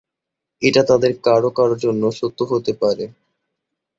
এটা তাদের কারো কারো জন্য সত্য হতে পারে।